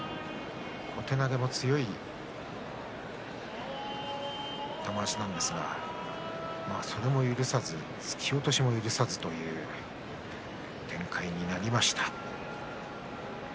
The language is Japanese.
小手投げも強い玉鷲ですがそれも許さず突き落としも許さずという展開になりました。